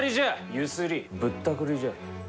ゆすりぶったくりじゃ。